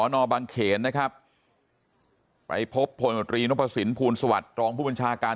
นะครับไปพบโพลโมทรีน้องประสิทธิ์ภูมิสวัสดิ์รองผู้บัญชาการ